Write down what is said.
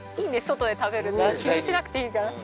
外で食べると気にしなくていいから。